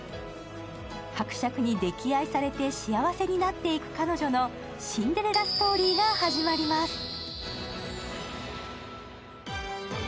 伯爵に溺愛されて幸せになっていく彼女のシンデレラストーリーが始まります。